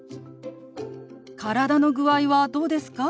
「体の具合はどうですか？」。